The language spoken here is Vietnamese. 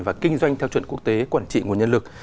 và kinh doanh theo chuẩn quốc tế quản trị nguồn nhân lực